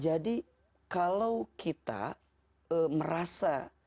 jadi kalau kita merasa